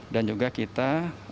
dan juga kita